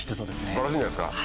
素晴らしいんじゃないですか。